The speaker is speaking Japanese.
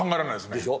でしょ。